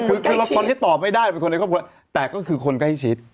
คือคนนี้ตอบไม่ได้แต่ก็คือคนใกล้ชิด